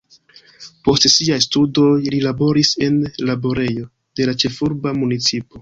Post siaj studoj li laboris en laborejo de la ĉefurba municipo.